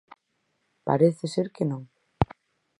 Parece ser que non.